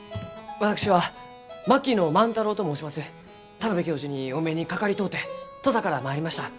田邊教授にお目にかかりとうて土佐から参りました。